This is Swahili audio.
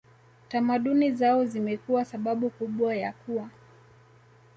tamaduni zao zimekuwa sababu kubwa ya kuwa